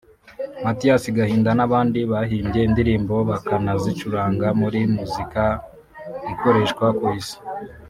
Mathias Gahinda n’abandi bahimbye indirimbo bakanazicuranga muri muzika ikoreshwa ku Isi